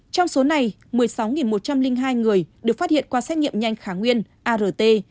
trong số này một mươi sáu một trăm linh hai người được phát hiện qua xét nghiệm nhanh khả nguyên art